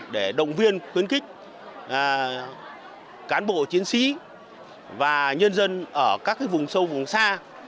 chúng tôi khuyến khích cán bộ chiến sĩ và nhân dân ở các vùng sâu vùng xa